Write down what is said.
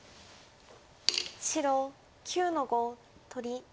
白９の五取り。